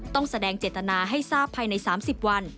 ต้องแสดงเจตนาให้ทราบภายใน๓๐วัน